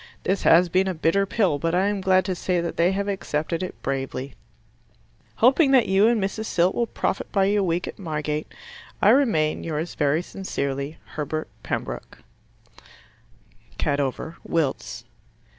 This has been a bitter pill, but I am glad to say that they have accepted it bravely. Hoping that you and Mrs. Silt will profit by your week at Margate. I remain, yours very sincerely, Herbert Pembroke Cadover, Wilts.